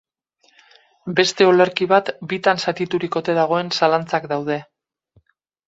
Beste olerki bat bitan zatiturik ote dagoen zalantzak daude.